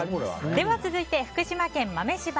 では、続いて福島県の方。